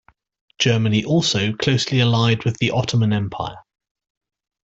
Germany also closely allied with the Ottoman Empire.